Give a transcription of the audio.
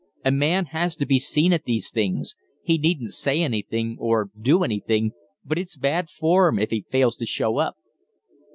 A man has to be seen at these things; he needn't say anything or do anything, but it's bad form if he fails to show up."